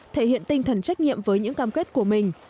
thể hiện tinh thần trách nhiệm với những cam kết của mình